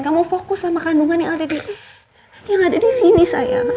kamu fokus sama kandungan yang ada disini sayang